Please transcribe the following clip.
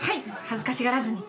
恥ずかしがらずに。